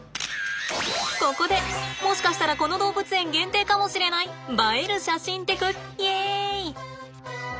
ここでもしかしたらこの動物園限定かもしれない映える写真テクイエイ！